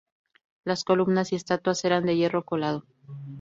Las columnas y estatuas eran de hierro colado.